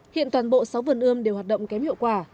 hiện toàn bộ sáu vườn ươm đều hoạt động kém hiệu quả